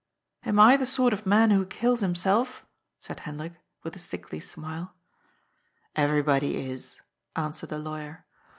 '' Am I the sort of man who kills himself ?" said Hen drik, with a' sickly smile. " Everybody is," answered the lawyer.